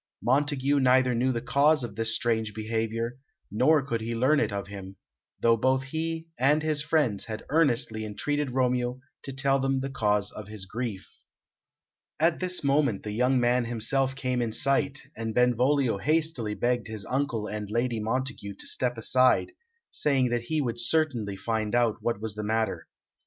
Montague neither knew the cause of this strange behaviour, nor could he learn it of him, though both he and his friends had earnestly entreated Romeo to tell them the cause of his grief. At this moment the young man himself came in sight, and Benvolio hastily begged his uncle and Lady Montague to step aside, saying that he would certainly find out what was the matter.